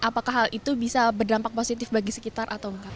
apakah hal itu bisa berdampak positif bagi sekitar atau enggak